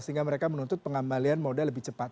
sehingga mereka menuntut pengambalian modal lebih cepat